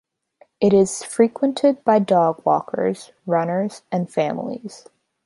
It is frequented by dog walkers, runners and families.